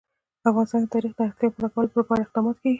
په افغانستان کې د تاریخ د اړتیاوو پوره کولو لپاره اقدامات کېږي.